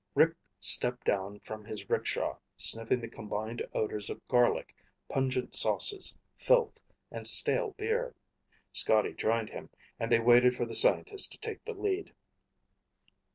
Rick stepped down from his rickshaw, sniffing the combined odors of garlic, pungent sauces, filth, and stale beer. Scotty joined him, and they waited for the scientist to take the lead.